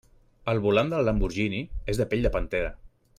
El volant del Lamborghini és de pell de pantera.